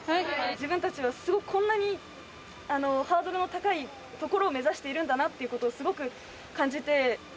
自分たちのすごくハードルの高い所を目指しているんだなということを、すごく感じて。